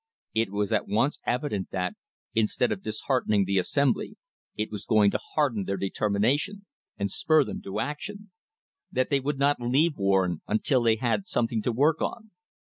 It was at once evident that, instead of dis heartening the Assembly, it was going to harden their deter mination and spur them to action ; that they would not leave Warren until they had something to work on.